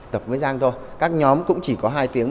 tập với giang thôi các nhóm cũng chỉ có hai tiếng